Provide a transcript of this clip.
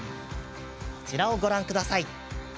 こちらをご覧ください。